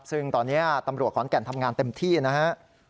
ซึ่งตอนนี้ตำรวจขอนแก่นทำงานเต็มที่นะครับ